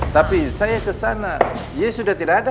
tapi saya ke sana ye sudah tidak ada